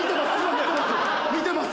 今見てます